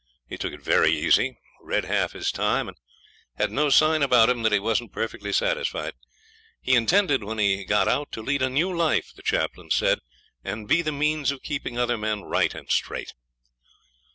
He took it very easy, read half his time, and had no sign about him that he wasn't perfectly satisfied. He intended when he got out to lead a new life, the chaplain said, and be the means of keeping other men right and straight.